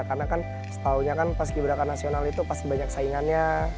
karena kan setahunya kan paskibraka nasional itu pasti banyak saingannya